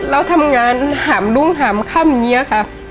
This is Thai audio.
เราทำงานหามรุ้งหามค่ำอย่างนี้ค่ะ